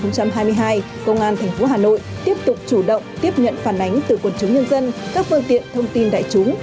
năm hai nghìn hai mươi hai công an tp hà nội tiếp tục chủ động tiếp nhận phản ánh từ quần chúng nhân dân các phương tiện thông tin đại chúng